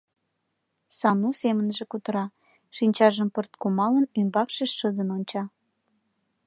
— Сану семынже кутыра, — шинчажым пырт кумалын, ӱмбакше шыдын онча.